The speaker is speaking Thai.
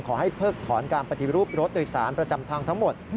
เพิกถอนการปฏิรูปรถโดยสารประจำทางทั้งหมด